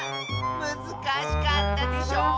むずかしかったでしょう？